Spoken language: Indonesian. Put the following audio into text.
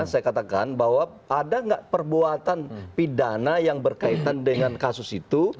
saya katakan bahwa ada nggak perbuatan pidana yang berkaitan dengan kasus itu